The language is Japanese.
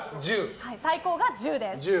最高が１０です。